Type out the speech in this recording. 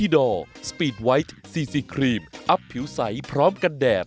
ดีซี่ครีมอับผิวไสเเพราะกันแดด